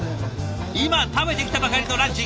今食べてきたばかりのランチ